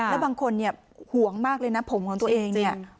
แล้วบางคนห่วงมากเลยนะผมของตัวเอง